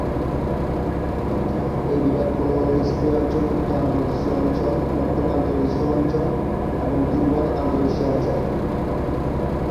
এই বিভাগগুলি হল স্প্রে অঞ্চল, উচ্চ আন্তঃদেশীয় অঞ্চল, মধ্যম আন্তঃদেশীয় অঞ্চল এবং দুর্বল আন্তঃদেশীয় অঞ্চল।